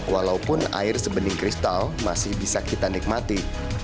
walaupun air sebening kristal masih bisa kita nikmati